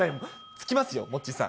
つきますよ、モッチーさん。